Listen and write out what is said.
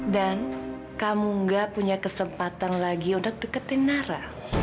dan kamu tidak punya kesempatan lagi untuk dekatkan nara